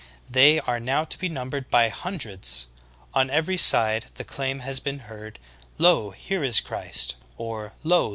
They are now to be numbered by hun dreds. On every side the claim has been heard, ''Lo, here is Christ," or "Lo, there."